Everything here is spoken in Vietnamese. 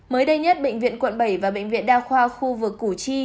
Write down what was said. mới đây nhất bệnh viện quận bảy và bệnh viện đa khoa khu vực củ chi